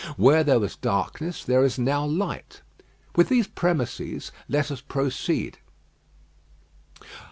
Where there was darkness there is now light. With these premises let us proceed.